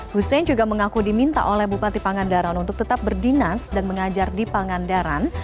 husein juga mengaku diminta oleh bupati panggandaran untuk tetap berdinas dan mengajar di panggandaran